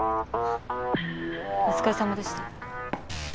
お疲れさまでした。